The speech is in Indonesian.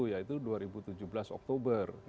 yaitu dua ribu tujuh belas oktober